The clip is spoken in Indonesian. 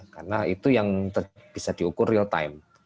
karena itu yang bisa diukur real time